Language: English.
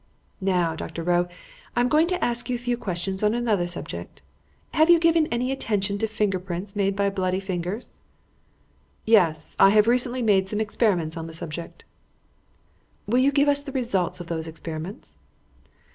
"Now, Dr. Rowe, I am going to ask you a few questions on another subject. Have you given any attention to finger prints made by bloody fingers?" "Yes. I have recently made some experiments on the subject." "Will you give us the results of those experiments?"